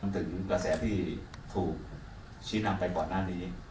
ถึงกระแสที่ถูกชี้นำไปก่อนหน้านี้